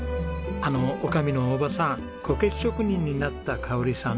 あの女将の大場さんこけし職人になった香さん